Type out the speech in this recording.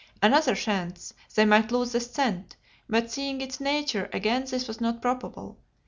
Another chance they might lose the scent, but seeing its nature, again this was not probable.